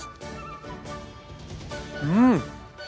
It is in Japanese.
うん！